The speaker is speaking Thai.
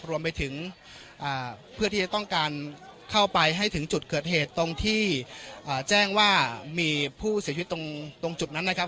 รวมไปถึงเพื่อที่จะต้องการเข้าไปให้ถึงจุดเกิดเหตุตรงที่แจ้งว่ามีผู้เสียชีวิตตรงจุดนั้นนะครับ